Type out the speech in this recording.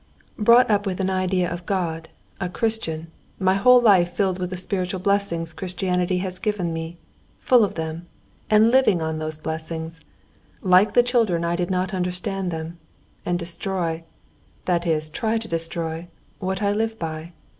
"Brought up with an idea of God, a Christian, my whole life filled with the spiritual blessings Christianity has given me, full of them, and living on those blessings, like the children I did not understand them, and destroy, that is try to destroy, what I live by.